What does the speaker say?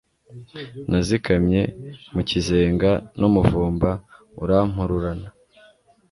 nazikamye mu kizenga, n'umuvumba urampururana